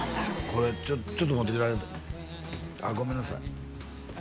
これちょっと持ってきてああごめんなさい